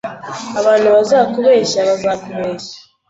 Abantu bazakubeshya, bazakubeshya.